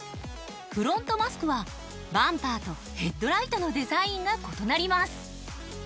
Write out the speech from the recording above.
フロントマスクはバンパーとヘッドライトのデザインが異なります。